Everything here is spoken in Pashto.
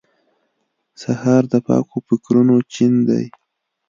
سهار د پاکو فکرونو چین دی.